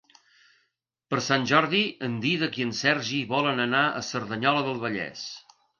Per Sant Jordi en Dídac i en Sergi volen anar a Cerdanyola del Vallès.